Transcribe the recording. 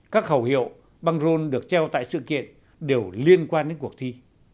các khẩu hiệu băng rôn được treo tại sự kiện đều liên quan đến cuộc thi